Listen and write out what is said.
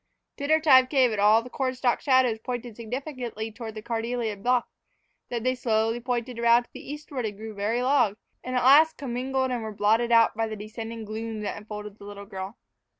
Dinner time came, and all the corn stalk shadows pointed significantly toward the carnelian bluff; then they slowly shifted around to the eastward and grew very long; and at last commingled and were blotted out by the descending gloom that infolded the little girl.